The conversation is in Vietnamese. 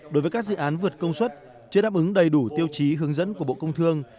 đối với các dự án vượt công suất chưa đáp ứng đầy đủ tiêu chí hướng dẫn của bộ công thương